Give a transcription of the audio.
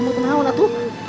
kamu kenapa itu